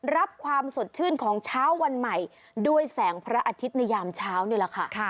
รับความสดชื่นของเช้าวันใหม่ด้วยแสงพระอาทิตย์ในยามเช้านี่แหละค่ะ